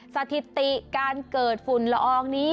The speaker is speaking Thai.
สถิติการเกิดฝุ่นละอองนี้